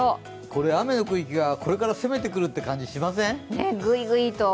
これ、雨の区域がこれから攻めてくる感じしません？